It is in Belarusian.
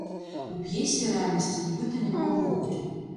У п'есе рэальнасці нібыта няма ўвогуле.